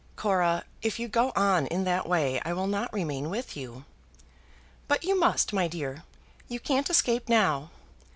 "Cora, if you go on in that way I will not remain with you." "But you must, my dear. You can't escape now.